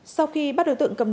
sau khi bắt đối tượng cầm đồng